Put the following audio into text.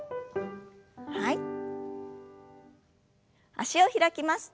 脚を開きます。